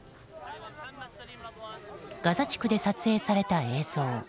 ガザ地区で撮影された映像。